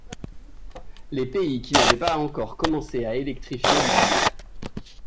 Les pays qui n'avaient pas encore commencé à électrifier l'utilisent.